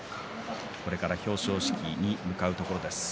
これから表彰式に向かうところです。